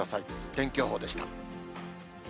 天気予報でした。